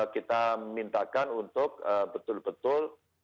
kita mintakan untuk betul betul